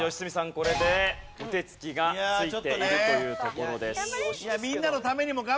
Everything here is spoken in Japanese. これでお手つきがついているというところです。